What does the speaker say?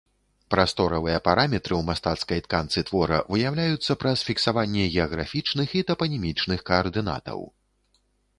Прасторавыя параметры ў мастацкай тканцы твора выяўляюцца праз фіксаванне геаграфічных і тапанімічных каардынатаў.